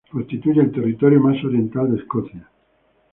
Constituye el territorio más oriental de Escocia.